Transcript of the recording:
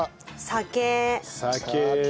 酒。